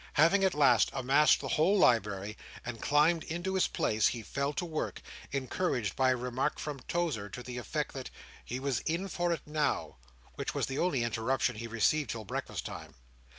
Having at last amassed the whole library, and climbed into his place, he fell to work, encouraged by a remark from Tozer to the effect that he "was in for it now;" which was the only interruption he received till breakfast time.